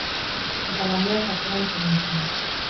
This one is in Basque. Eta lamiak atzerantz egin zuen.